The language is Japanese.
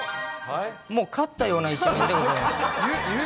もう勝ったような１面でございます。